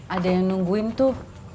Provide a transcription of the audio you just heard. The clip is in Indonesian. ada yang nungguin tuh